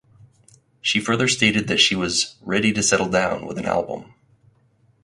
She further stated that she was "ready to settle down with an album".